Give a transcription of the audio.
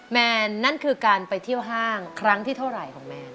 แมนนั่นคือการไปเที่ยวห้างครั้งที่เท่าไหร่ของแมน